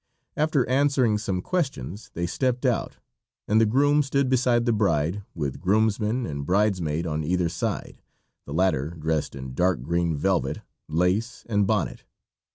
After answering some questions they stepped out, and the groom stood beside the bride, with groomsman and bridemaid on either side, the latter dressed in dark green velvet, lace, and bonnet.